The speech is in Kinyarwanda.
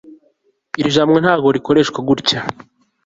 iri jambo ntabwo rikoreshwa gutya